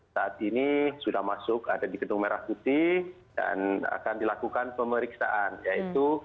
saat ini sudah masuk ada di gedung merah putih dan akan dilakukan pemeriksaan yaitu